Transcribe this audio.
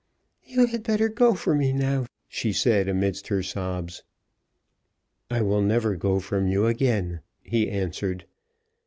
"You had better go from me now," she said, amidst her sobs. "I will never go from you again," he answered.